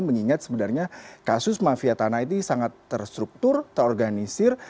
mengingat sebenarnya kasus mafia tanah ini sangat terstruktur terorganisir